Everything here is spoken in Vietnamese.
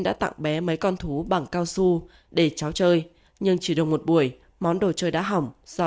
đã tặng bé mấy con thú bằng cao su để cháu chơi nhưng chỉ đồng một buổi món đồ chơi đã hỏng do